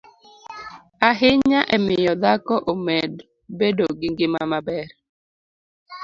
ahinya e miyo dhako omed bedo gi ngima maber,